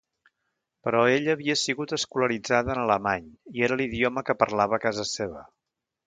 Però ella havia sigut escolaritzada en alemany i era l'idioma que parlava a casa seva.